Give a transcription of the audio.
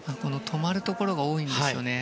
止まるところが多いんですよね。